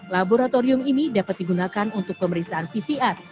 laboratorium ini dapat digunakan untuk pemeriksaan pcr